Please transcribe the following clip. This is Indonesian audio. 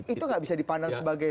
itu nggak bisa dipandang sebagai